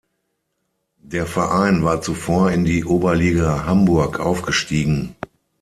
Der Verein war zuvor in die Oberliga Hamburg aufgestiegen.